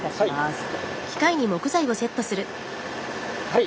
はい。